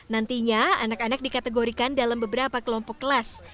nantinya anak anak dikategorikan dalam beberapa kelompok kelas